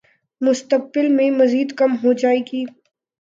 مستقبل میں مزید کم ہو جائے گی